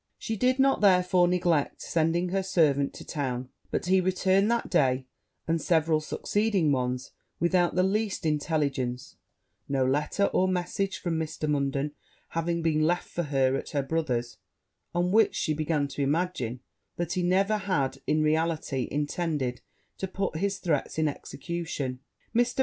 She did not, therefore, neglect sending her servant to town; but he returned that day, and several succeeding ones, without the least intelligence; no letter nor message from Mr. Munden having been left for her at her brother's: on which she began to imagine that he never had, in reality, intended to put his threats in execution. Mr.